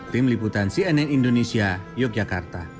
tim liputan cnn indonesia yogyakarta